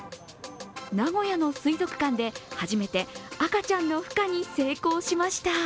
名古屋の水族館で初めて赤ちゃんのふ化に成功しました。